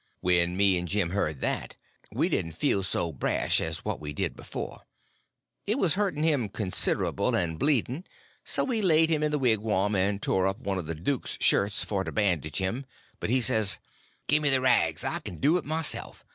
When me and Jim heard that we didn't feel so brash as what we did before. It was hurting him considerable, and bleeding; so we laid him in the wigwam and tore up one of the duke's shirts for to bandage him, but he says: "Gimme the rags; I can do it myself.